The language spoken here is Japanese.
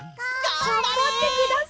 がんばってください。